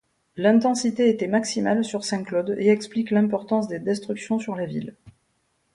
L'intensité était maximale sur Saint-Claude, et explique l'importance des destructions sur la ville.